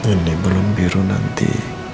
ini belum biru nanti